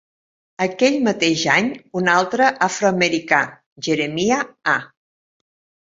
Aquell mateix any, un altre afroamericà, Jeremiah A.